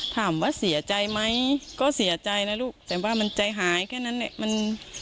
ถามว่าเสียใจไหมก็เสียใจนะลูกแต่ว่ามันใจหายแค่นั้นแหละ